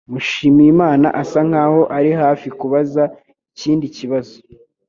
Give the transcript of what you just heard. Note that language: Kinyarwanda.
Mushimiyimana asa nkaho ari hafi kubaza ikindi kibazo